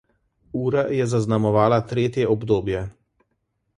Ura je zaznamovala tretje obdobje.